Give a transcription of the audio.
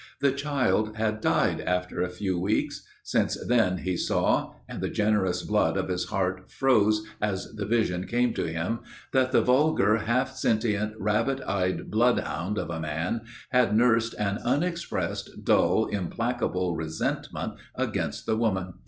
The child had died after a few weeks. Since then he saw and the generous blood of his heart froze as the vision came to him that the vulgar, half sentient, rabbit eyed bloodhound of a man had nursed an unexpressed, dull, implacable resentment against the woman.